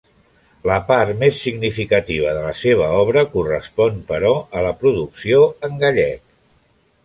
La part més significativa de la seva obra correspon, però, a la producció en gallec.